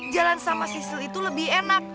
jalan sama sisle itu lebih enak